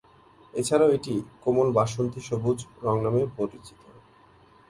এছাড়াও এটি "কোমল বাসন্তী সবুজ" রঙ নামেও পরিচিত।